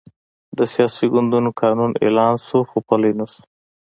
د سیاسي ګوندونو قانون اعلان شو، خو پلی نه شو.